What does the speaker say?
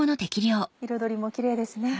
彩りもキレイですね。